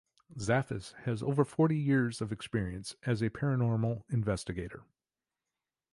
Zaffis has over forty years of experience as a paranormal investigator.